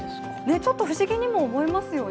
ちょっと不思議にも思いますよね。